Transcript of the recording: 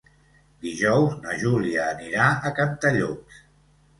Dijous na Júlia anirà a Cantallops.